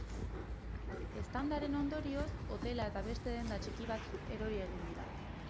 Eztandaren ondorioz, hotela eta beste denda txiki batzuk erori egin dira.